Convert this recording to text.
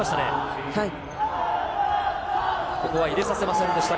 ここは入れさせませんでした。